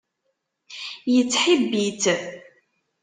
Yettḥibbi-tt.